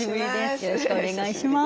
よろしくお願いします。